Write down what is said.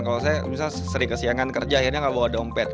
kalau saya misalnya sering kesiangan kerja akhirnya nggak bawa dompet